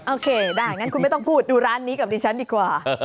โอเคได้งั้นคุณไม่ต้องพูดดูร้านนี้กับดิฉันดีกว่า